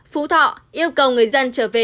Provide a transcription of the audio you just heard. phú thọ yêu cầu người dân trở về